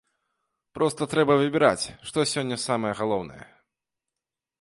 Проста трэба выбіраць, што сёння самае галоўнае.